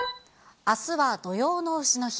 あすは土用のうしの日。